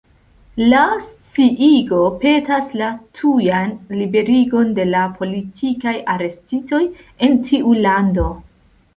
La sciigo petas la tujan liberigon de la «politikaj arestitoj» en tiu lando.